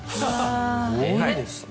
すごいですね。